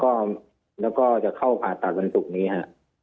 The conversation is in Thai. แล้วก็จะเข้าผ่าตัดวันศุกร์นี้ฮะ